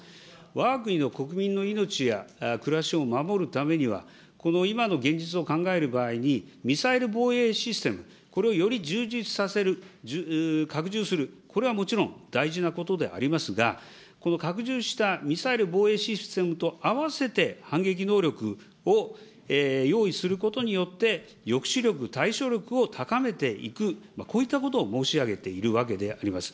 わが国の国民の命や暮らしを守るためには、この今の現実を考える場合に、ミサイル防衛システム、これをより充実させる、拡充する、これはもちろん大事なことでありますが、この拡充したミサイル防衛システムと合わせて反撃能力を用意することによって、抑止力、対処力を高めていく、こういったことを申し上げているわけであります。